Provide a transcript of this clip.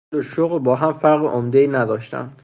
آن دو شغل با هم فرق عمدهای نداشتند.